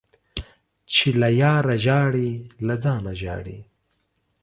چي له ياره ژاړې ، له ځانه ژاړې.